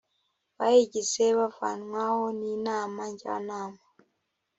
bayigize bavanwaho n inama njyanama